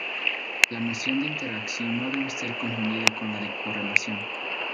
La noción de interacción no debe ser confundida con la de Correlación.